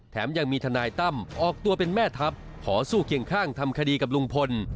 ยังมีทนายตั้มออกตัวเป็นแม่ทัพขอสู้เคียงข้างทำคดีกับลุงพล